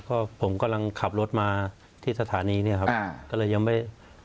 ก็ผมกำลังขับรถมาที่สถานีเนี่ยครับก็เลยยังไม่